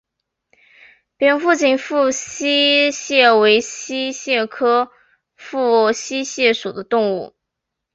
扁肢紧腹溪蟹为溪蟹科紧腹溪蟹属的动物。